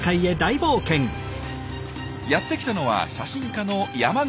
やってきたのは写真家の山口進さん。